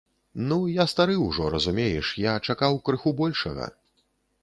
Ну, я стары ўжо, разумееш, я чакаў крыху большага.